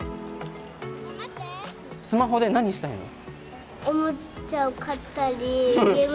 スマホで何したいの？